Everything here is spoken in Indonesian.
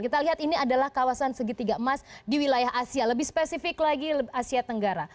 kita lihat ini adalah kawasan segitiga emas di wilayah asia lebih spesifik lagi asia tenggara